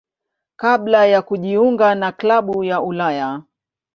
kabla ya kujiunga na klabu ya Ulaya.